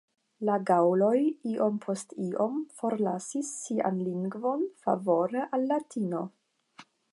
La gaŭloj iom post iom forlasis sian lingvon favore al Latino.